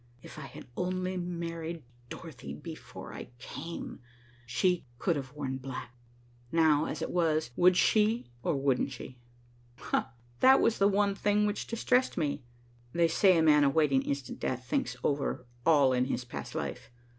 "If I had only married Dorothy before I came, she could have worn black. Now, as it was, would she or wouldn't she?" That was the only thing which distressed me. They say a man awaiting instant death thinks over all his past life.